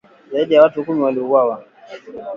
Zaidi ya watu kumi waliuawa